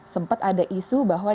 sempat ada isu bahwa